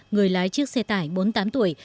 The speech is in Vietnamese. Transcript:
người lái chiếc xe tải bốn mươi tám tuổi